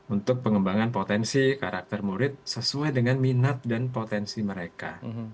untuk pengembangan potensi karakter murid sesuai dengan minat dan potensi mereka